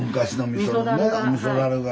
みそ樽が。